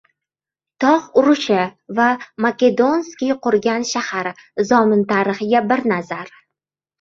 «Tog‘ urushi» va Makedonskiy qurgan shahar. Zomin tarixiga bir nazar